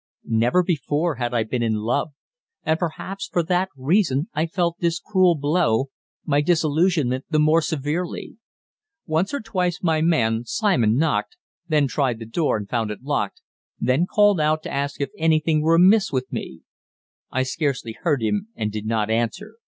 Never before had I been in love, and perhaps for that reason I felt this cruel blow my disillusionment the more severely. Once or twice my man, Simon, knocked, then tried the door and found it locked, then called out to ask if anything were amiss with me. I scarcely heard him, and did not answer.